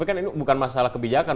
tapi kan ini bukan masalah kebijakan